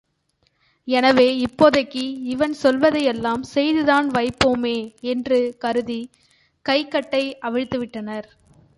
எனவே இப்போதைக்கு இவன் சொல்வதை யெல்லாம் செய்துதான் வைப்போமே என்று கருதிக் கைக்கட்டை அவிழ்த்துவிட்டனர்.